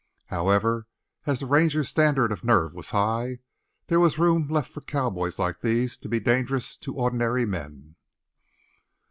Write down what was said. However, as the Rangers' standard of nerve was high, there was room left for cowboys like these to be dangerous to ordinary men.